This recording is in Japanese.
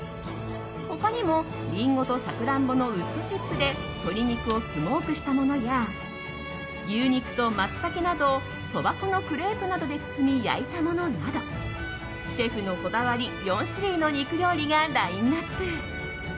他にも、リンゴとサクランボのウッドチップで鶏肉をスモークしたものや牛肉とマツタケなどをそば粉のクレープなどで包み焼いたものなどシェフのこだわり４種類の肉料理がラインアップ。